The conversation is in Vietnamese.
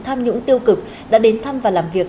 tham nhũng tiêu cực đã đến thăm và làm việc